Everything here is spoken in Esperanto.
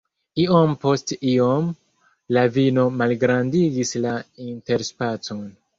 Iom post iom, la vino malgrandigis la interspacon.